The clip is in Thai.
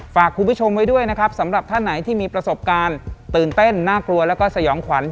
ฝากคุณผู้ชมไว้ด้วยนะครับสำหรับท่านไหนที่มีประสบการณ์ตื่นเต้นน่ากลัวแล้วก็สยองขวัญ